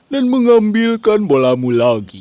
dan mengambilkan bolamu lagi